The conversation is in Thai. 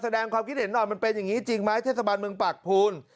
แสดงความคิดเห็นหน่อยมันเป็นอย่างนี้จริงไหมเทศบาลเมืองปากภูน